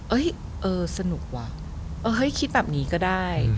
เออสนุกว่ะเฮ้ยคิดแบบนี้ก็ได้